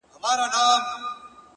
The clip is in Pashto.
يوه د ميني زنده گي راوړي”